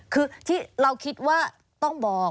คือที่เราคิดว่าต้องบอก